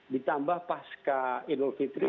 ditambah pas ke idul fitri